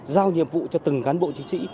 giao nhiệm vụ cho từng cán bộ chiến sĩ